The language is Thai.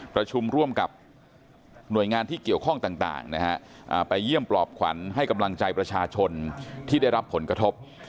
ประชุมร่วมกับหน่วยงานที่เกี่ยวข้องต่างนะฮะไปเยี่ยมปลอบขวัญให้กำลังใจประชาชนที่ได้รับผลกระทบ